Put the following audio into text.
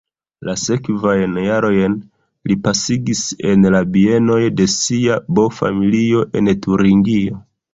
La sekvajn jarojn li pasigis en la bienoj de sia bo-familio en Turingio.